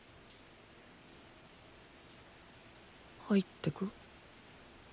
入ってく？